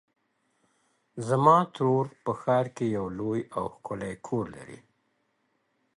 زما ترور په ښار کې یو لوی او ښکلی کور لري.